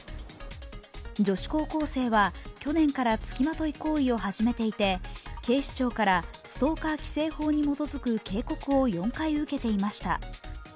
女子高校生は去年からつきまとい行為を始めていて警視庁からストーカー規制法に基づく警告を４回受けていました。